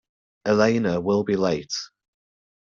Elena will be late.